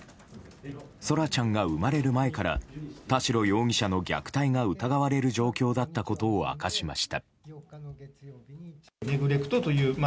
空来ちゃんが生まれる前から田代容疑者の虐待が疑われる状況だったことを明かしました。